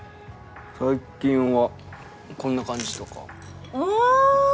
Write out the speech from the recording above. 最近はこんな感じとかおぉ！